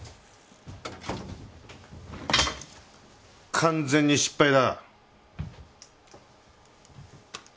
完全に失敗だ。